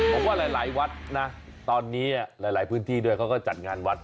ผมว่าหลายวัดนะตอนนี้หลายพื้นที่ด้วยเขาก็จัดงานวัด